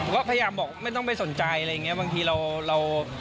ก็พยายามบอกไม่ต้องไปสนใจอะไรอย่างเงี้บางทีเราเรา